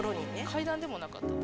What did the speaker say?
階段でもなかった。